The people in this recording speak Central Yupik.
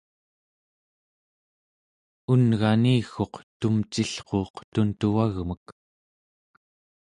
un'gani-gguq tumcillruuq tuntuvagmek